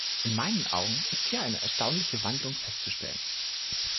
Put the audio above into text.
In meinen Augen ist hier eine erstaunliche Wandlung festzustellen.